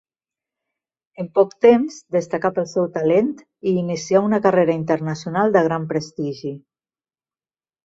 En pocs temps, destacà pel seu talent i inicià una carrera internacional de gran prestigi.